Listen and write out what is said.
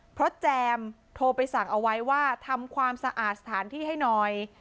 เพราะแจมโทรไปสั่งเอาไว้ว่าทำความสะอาดสถานที่ให้หน่อย